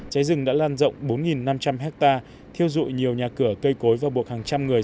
cháy rừng đã lan rộng bốn năm trăm linh hectare thiêu dụi nhiều nhà cửa cây cối và buộc hàng trăm người